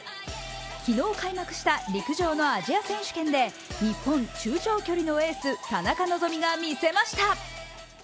昨日開幕した陸上のアジア選手権で日本中長距離のエース田中希実が見せました。